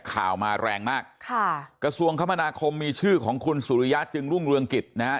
ข่าวมาแรงมากค่ะกระทรวงคมนาคมมีชื่อของคุณสุริยะจึงรุ่งเรืองกิจนะฮะ